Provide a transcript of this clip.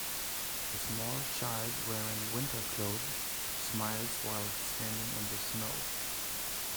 A small child wearing winter clothes smiles while standing in the snow.